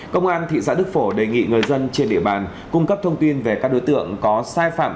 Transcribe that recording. công an thị xã đức phổ đề nghị người dân trên địa bàn cung cấp thông tin về các đối tượng có sai phạm